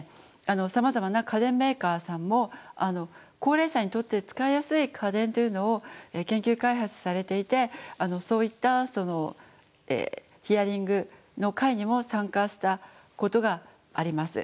さまざまな家電メーカーさんも高齢者にとって使いやすい家電というのを研究開発されていてそういったヒアリングの会にも参加したことがあります。